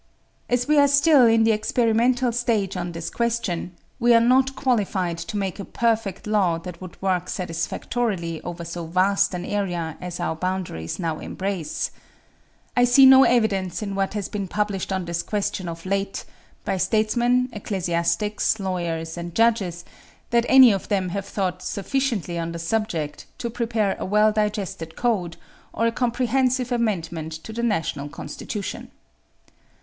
"As we are still in the experimental stage on this question, we are not qualified to make a perfect law that would work satisfactorily over so vast an area as our boundaries now embrace. I see no evidence in what has been published on this question, of late, by statesmen, ecclesiastics, lawyers, and judges, that any of them have thought sufficiently on the subject to prepare a well digested code, or a comprehensive amendment to the national Constitution.